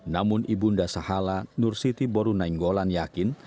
namun ibu unda sahalah nursiti borun nainggolan yakin